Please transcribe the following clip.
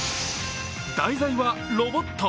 題材はロボット。